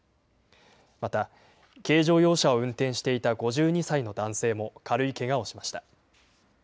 また、軽乗用車を運転していた５２歳の男性も軽いけがをしました。